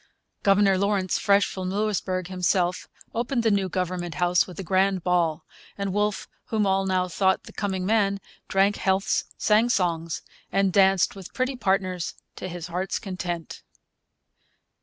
Governor Lawrence, fresh from Louisbourg himself, opened the new Government House with a grand ball; and Wolfe, whom all now thought the coming man, drank healths, sang songs, and danced with pretty partners to his heart's content.